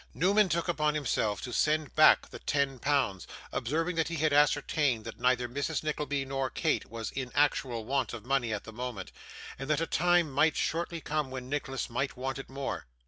Newman took upon himself to send back the ten pounds, observing that he had ascertained that neither Mrs. Nickleby nor Kate was in actual want of money at the moment, and that a time might shortly come when Nicholas might want it more.